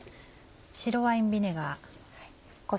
白ワインビネガー。